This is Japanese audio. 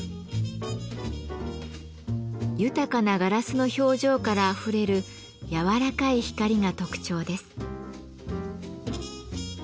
豊かなガラスの表情からあふれる柔らかい光が特徴です。